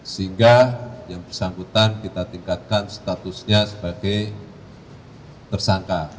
sehingga yang bersangkutan kita tingkatkan statusnya sebagai tersangka